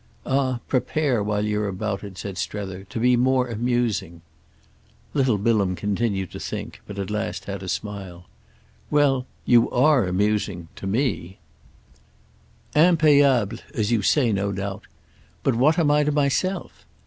"Ah prepare while you're about it," said Strether, "to be more amusing." Little Bilham continued to think, but at last had a smile. "Well, you are amusing—to me." "Impayable, as you say, no doubt. But what am I to myself?"